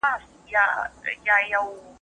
ښځه باید د خپلې عفت ساتنه وکړي.